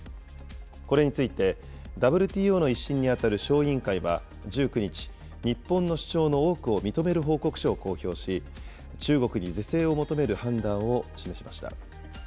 これについて、ＷＴＯの１審に当たる小委員会は１９日、日本の主張の多くを認める報告書を公表し、中国に是正を求める判断を示しました。